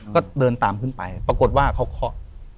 ก็เดินตามขึ้นไปปรากฏว่าเขาเคาะ